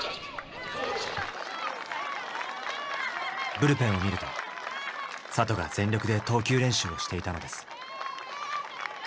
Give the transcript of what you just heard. ブルペンを見ると里が全力で投球練習をしていたのです。